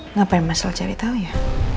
ngapain mas al cari tau ya